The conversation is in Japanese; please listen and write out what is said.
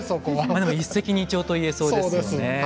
でも一石二鳥と言えそうですね。